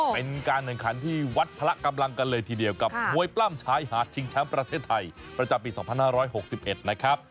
เป็นการแข่งขันที่วัดพละกำลังกันเลยทีเดียวกับมวยปล้ำชายหาดชิงแชมป์ประเทศไทยประจำปี๒๕๖๑นะครับ